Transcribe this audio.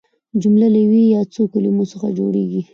جمله له یوې یا څو کلیمو څخه جوړیږي.